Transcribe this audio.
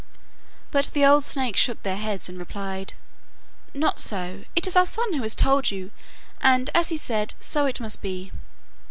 But the old snakes shook their heads and replied: 'Not so; it is our son who told you, and, as he said, so it must be.